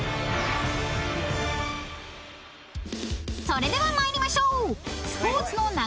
［それでは参りましょう］